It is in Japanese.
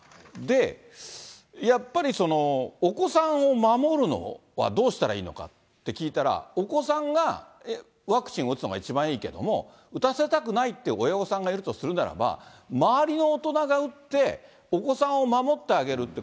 で、やっぱりお子さんを守るのはどうしたらいいのかって聞いたら、お子さんがワクチンを打つのが一番いいけども、打たせたくないって親御さんがいるとするならば、周りの大人が打って、お子さんを守ってあげる。